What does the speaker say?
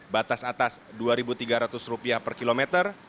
batas atas rp dua tiga ratus per kilometer